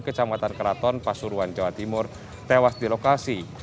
kecamatan keraton pasuruan jawa timur tewas di lokasi